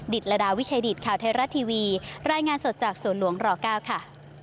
ดิดละดาวิชาดิดข่าวเทราะห์ทีวีรายงานสดจากสวนหลวงรเก้าค่ะ